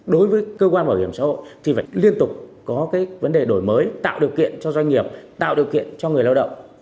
đối với cơ quan bảo hiểm xã hội thì phải liên tục có cái vấn đề đổi mới tạo điều kiện cho doanh nghiệp tạo điều kiện cho người lao động